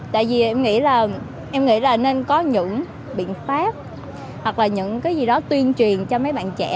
tại vì em nghĩ là nên có những biện pháp hoặc là những cái gì đó tuyên truyền cho mấy bạn trẻ